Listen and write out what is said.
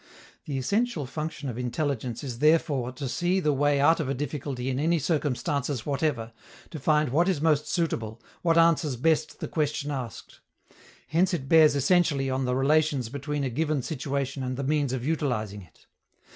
The essential function of intelligence is therefore to see the way out of a difficulty in any circumstances whatever, to find what is most suitable, what answers best the question asked. Hence it bears essentially on the relations between a given situation and the means of utilizing it.